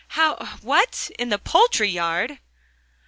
'How? what? in the poultry yard?